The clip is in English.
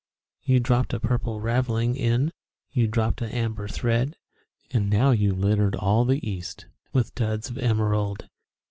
You dropped a Purple Ravelling in You dropped an Amber thread And now you've littered all the east With Duds of Emerald!